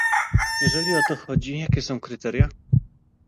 Jeżeli o to chodzi, jakie są kryteria?